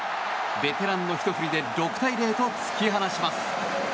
ベテランのひと振りで６対０と突き放します。